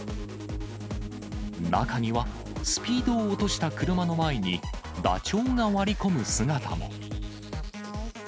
中には、スピードを落とした車の前に、ダチョウが割り込む姿も。